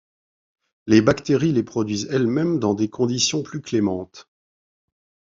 Les bactéries les produisent elles-mêmes dans des conditions plus clémentes.